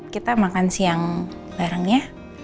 kita makan siang barengnya